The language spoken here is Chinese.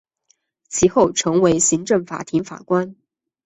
其后成为行政法庭法官。